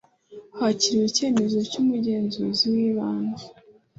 Hakiriwe icyemezo cy umugenzuzi w ibanze